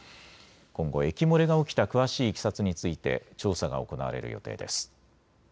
今後、液漏れが起きた詳しいいきさつについて調査が行われる予定です。